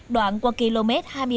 đoạn qua km hai mươi ba một trăm linh